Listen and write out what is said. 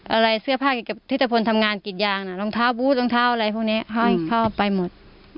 อะไรเสื้อผ้าเกี่ยวกับที่ตะพนทำงานกิดยางนะรองเท้าบู๊ดรองเท้าอะไรพวกนี้เข้าไปหมด